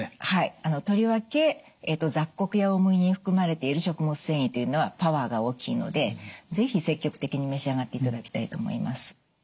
はいとりわけ雑穀や大麦に含まれている食物繊維というのはパワーが大きいので是非積極的に召し上がっていただきたいと思います。